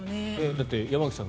だって、山口さん